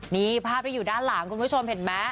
นี่ภาพที่อยู่ด้านหลังคุณผู้ชมเห็นไหม